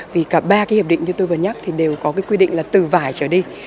vì cả ba cái hiệp định như tôi vừa nhắc thì đều có cái quy định là từ vải trở đi